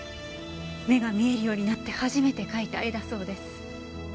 目が見えるようになって初めて描いた絵だそうです。